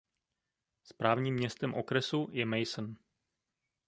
Správním městem okresu je Mason.